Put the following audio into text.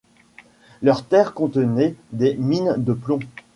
Leurs terres contenaient des mines de plomb.